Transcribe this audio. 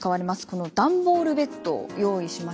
この段ボールベッドを用意しました。